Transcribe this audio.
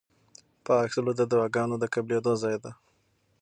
پاک زړه د دعاګانو د قبلېدو ځای دی.